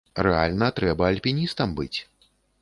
Рэальна, трэба альпіністам быць!